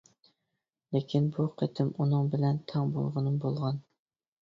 لېكىن بۇ قېتىم ئۇنىڭ بىلەن تەڭ بولغىنىم بولغان.